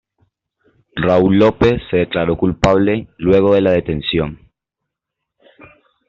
Raúl López se declaró culpable luego de la detención.